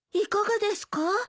いかがですか？